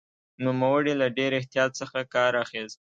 نوموړي له ډېر احتیاط څخه کار اخیست.